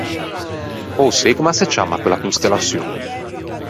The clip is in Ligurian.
Ô sei comm’a se ciamma quella constellaçion?